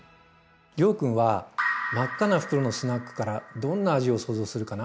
諒君は真っ赤な袋のスナックからどんな味を想像するかな？